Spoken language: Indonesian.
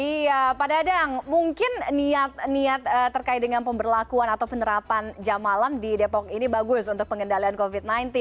iya pak dadang mungkin niat niat terkait dengan pemberlakuan atau penerapan jam malam di depok ini bagus untuk pengendalian covid sembilan belas